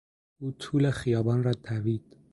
او طول خیابان را دوید.